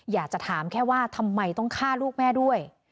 อยากจะถามแค่ว่าทำไมต้องฆ่าลูกแม่ด้วย